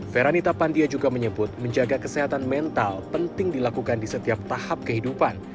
feranita pandia juga menyebut menjaga kesehatan mental penting dilakukan di setiap tahap kehidupan